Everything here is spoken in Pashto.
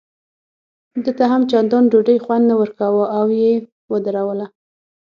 ده ته هم چندان ډوډۍ خوند نه ورکاوه او یې ودروله.